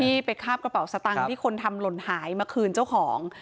นี่ไปคาบกระเป๋าสตังค์ที่คนทำหล่นหายมาคืนเจ้าของ